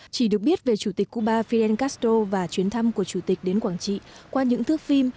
chỉ được biết về chủ tịch cuba fidel castro và chuyến thăm của chủ tịch đến quảng trị qua những thước phim